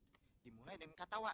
laki laki itu namanya dengan kata lak